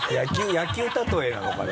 野球例えなのかな？